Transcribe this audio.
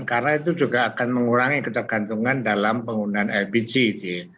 karena itu juga akan mengurangi ketergantungan dalam penggunaan lpg gitu ya